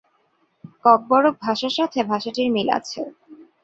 ককবরক ভাষার সাথে ভাষাটির মিল আছে।